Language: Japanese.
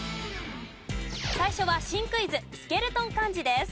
最初は新クイズスケルトン漢字です。